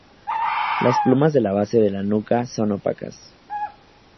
Las plumas de la base de la nuca son opacas.